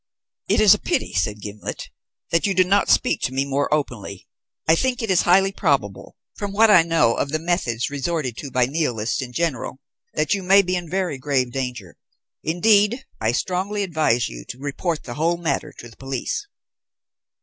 "It is a pity," said Gimblet, "that you do not speak to me more openly. I think it is highly probable, from what I know of the methods resorted to by Nihilists in general, that you may be in very grave danger. Indeed, I strongly advise you to report the whole matter to the police."